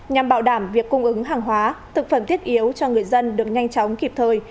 nhằm bảo đảm việc cung ứng hàng hóa thực phẩm thiết yếu cho người dân được nhanh chóng kịp thời